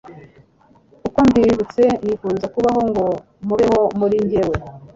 Uko mbibutse nifuza kubaho ngo mubeho muri jyewe.